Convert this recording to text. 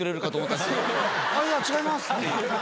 「いや違います」っていう。